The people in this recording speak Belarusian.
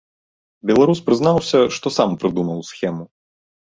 Беларус прызнаўся, што сам прыдумаў схему.